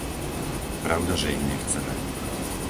Pravdaže ich nechceme.